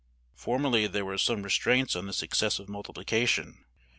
Formerly there were some restraints on this excessive multiplication.